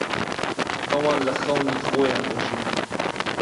ئەوان لە خەونی خۆیان دەژین.